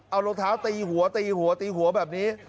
เอารองเท้าตีหัวตีหัวตีหัวแบบนี้